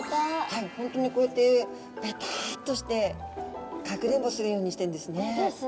はいホントにこうやってベタッとしてかくれんぼするようにしてんですね。